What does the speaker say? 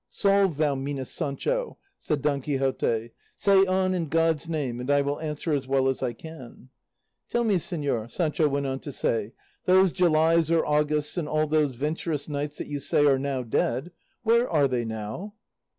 "Solve, thou meanest, Sancho," said Don Quixote; "say on, in God's name, and I will answer as well as I can." "Tell me, señor," Sancho went on to say, "those Julys or Augusts, and all those venturous knights that you say are now dead where are they now?"